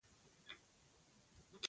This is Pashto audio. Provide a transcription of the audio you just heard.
چوکۍ د مېلمهپالۍ درناوی دی.